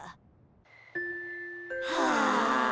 はあ。